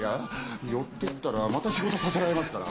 寄っていったらまた仕事させられますから。